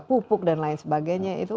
pupuk dan lain sebagainya